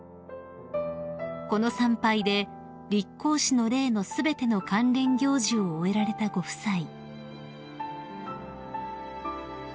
［この参拝で立皇嗣の礼の全ての関連行事を終えられたご夫妻］